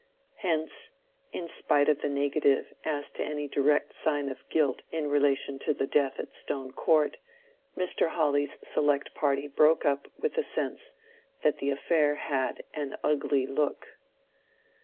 Hence, in spite of the negative as to any direct sign of guilt in relation to the death at Stone Court, Mr. Hawley's select party broke up with the sense that the affair had "an ugly look."